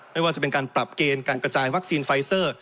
ไม่ว่าจะเป็นการปรับเกณฑ์การกระจายวัคซีนไฟเซอร์